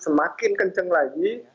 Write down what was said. semakin kencang lagi